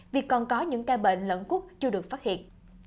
vì còn có những ca bệnh lẫn cúc chưa được phát hiện